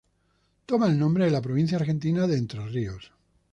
Toma el nombre de la provincia argentina de Entre Ríos.